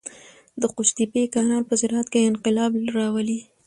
د قوشتېپې کانال په زراعت کې انقلاب راولي.